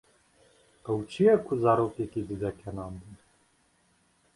Ew çi ye ku zarokekî dide kenandin?